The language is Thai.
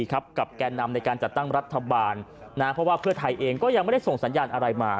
กับแก่นำในการจัดตั้งรัฐบาลเพราะว่าเพื่อไทยเองก็ยังไม่ได้ส่งสัญญาณอะไรมา